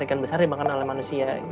ikan besar dimakan oleh manusia